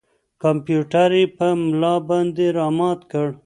کمپیوټر یې په ملا باندې را مات کړ.